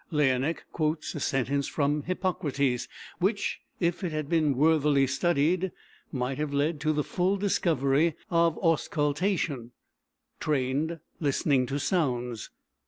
Laennec quotes a sentence from Hippocrates which, if it had been worthily studied, might have led to the full discovery of auscultation [trained listening to sounds].